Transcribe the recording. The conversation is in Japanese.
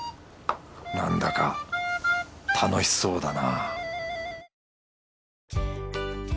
なんだか楽しそうだな